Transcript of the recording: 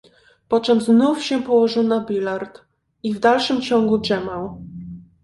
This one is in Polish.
"Poczem znów się położył na bilard i w dalszym ciągu drzemał."